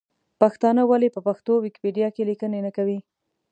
پښتانه ولې په پښتو ویکیپېډیا کې لیکنې نه کوي ؟